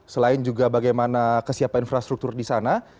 selain juga bagaimana kesiapan infrastruktur di sana